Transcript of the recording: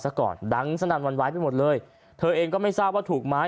ซักก่อนดังสนามหวานแว้ไปหมดเลยเธอเองก็ไม่ทราบว่าถูกมั้ย